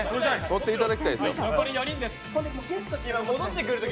残り４人です。